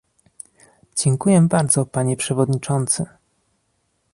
Dziękuję bardzo, panie przewodniczący!